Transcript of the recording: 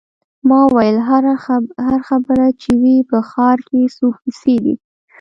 ما وویل: هر خبر چې وي، په ښار کې څه کیسې دي.